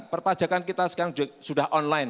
perpajakan kita sekarang sudah online